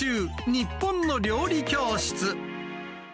日本の料理教室。